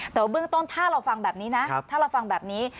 แต่ว่าเบื้องต้นถ้าเราฟังแบบนี้นะถ้าเราฟังแบบนี้